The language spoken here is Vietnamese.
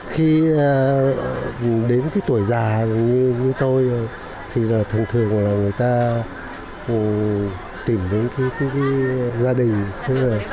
khi đến tuổi già như tôi thì thường thường là người ta tìm đến gia đình